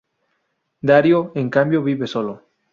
Darío, en cambio, vive solo.